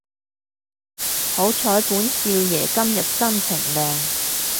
好彩本少爺今日心情靚